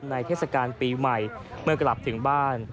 เทศกาลปีใหม่เมื่อกลับถึงบ้าน